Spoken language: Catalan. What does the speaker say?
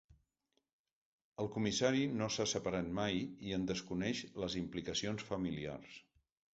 El comissari no s'ha separat mai i en desconeix les implicacions familiars.